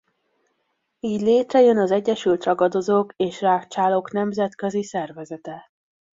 Így létrejön az Egyesült Ragadozók és Rágcsálók Nemzetközi Szervezete.